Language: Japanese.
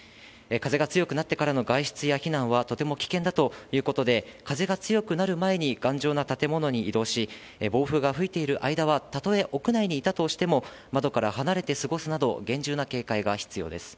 風が強くなってからの外出や避難はとても危険だということで、風が強くなる前に頑丈な建物に移動し、暴風が吹いている間は、たとえ屋内にいたとしても、窓から離れて過ごすなど、厳重な警戒が必要です。